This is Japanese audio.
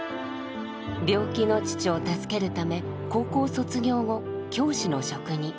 病気の父を助けるため高校卒業後教師の職に。